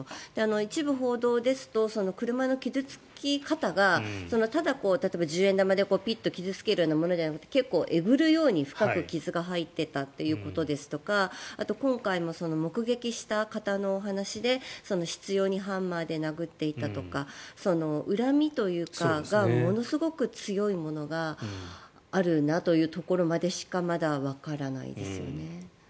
一部報道ですと車の傷付き方がただ、例えば十円玉でピッと傷付けるようなものじゃなく結構、えぐるように、深く傷が入っていたということですとかあと、今回の目撃した方のお話で執ようにハンマーで殴っていたとか恨みというか、それがものすごく強いものがあるなというところまでしかまだわからないですよね。